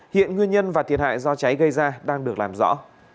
hiện nguyên nhân và thiệt hại do cháy gây ra đang được làm rõ